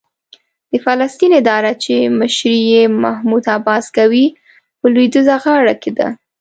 د فلسطین اداره چې مشري یې محمود عباس کوي، په لوېدیځه غاړه کې ده.